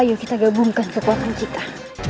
ayo kita gabungkan kekuatan kita